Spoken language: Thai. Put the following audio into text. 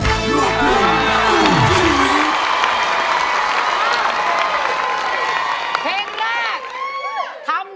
เพลงที่๑มูลค่า๑๐๐๐๐บาท